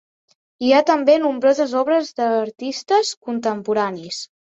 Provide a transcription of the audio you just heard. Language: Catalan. Hi ha també nombroses obres d'artistes contemporanis.